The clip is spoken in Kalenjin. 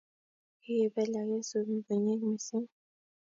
Kikibel akesub bunyik mising.